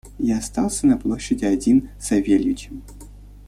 Я остался на площади один с Савельичем.